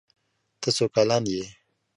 ته څو کلن يي